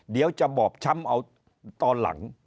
เดี๋ยวจะบอบช้ำเอาตอนหลัง